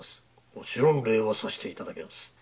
もちろん礼はさせていただきます。